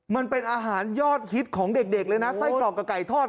มันเป็นอาหารยอดฮิตของเด็กเลยนะไส้กรอกกับไก่ทอด